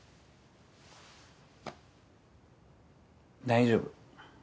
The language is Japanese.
大丈夫。